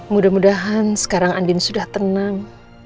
mudah mudahan sekarang andin sudah tenang